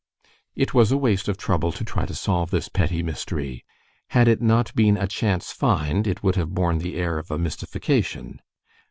It was waste of trouble to try to solve this petty mystery. Had it not been a chance find, it would have borne the air of a mystification.